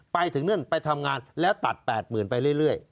ไปถึงนั่นไปทำงานแล้วตัด๘๐๐๐ไปเรื่อย